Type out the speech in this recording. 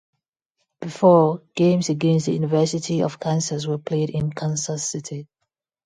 Before, games against the University of Kansas were played in Kansas City.